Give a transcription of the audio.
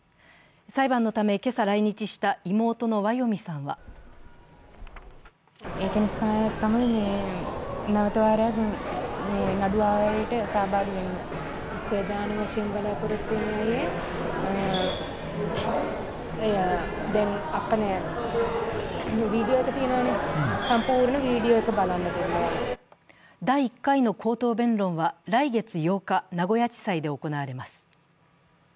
裁判のため今朝来日した妹のワヨミさんは第１回の口頭弁論は来月８日、名古屋地裁で行われます。